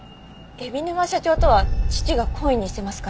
海老沼社長とは父が懇意にしてますから。